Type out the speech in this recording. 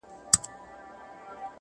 بل د ټیکسي ډرایور پسې لالهانده